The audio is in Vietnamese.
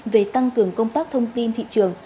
về tăng cường công tác thông tin thị trường